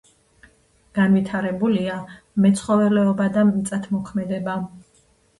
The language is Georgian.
განვითარებულია მეცხოველეობა და მიწათმოქმედება.